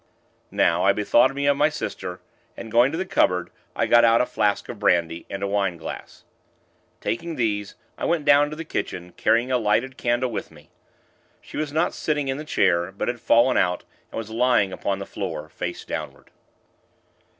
Now, I bethought me of my sister, and, going to the cupboard, I got out a flask of brandy, and a wine glass. Taking these, I went down to the kitchen, carrying a lighted candle with me. She was not sitting in the chair, but had fallen out, and was lying upon the floor, face downward.